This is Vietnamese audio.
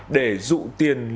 để dụ tiền lừa đảo